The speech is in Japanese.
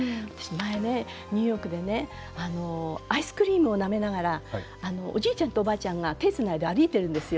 前、私ニューヨークでアイスクリームをなめながらおじいちゃんとおばあちゃんが手をつないで歩いているんですよ